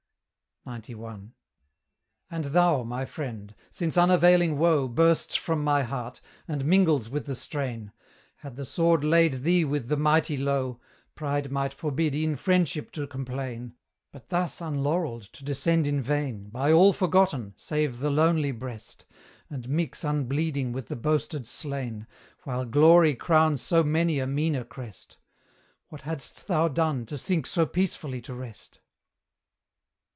XCI. And thou, my friend! since unavailing woe Bursts from my heart, and mingles with the strain Had the sword laid thee with the mighty low, Pride might forbid e'en Friendship to complain: But thus unlaurelled to descend in vain, By all forgotten, save the lonely breast, And mix unbleeding with the boasted slain, While glory crowns so many a meaner crest! What hadst thou done, to sink so peacefully to rest?